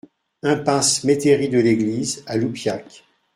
Impasse Métairie de l'Eglise à Loupiac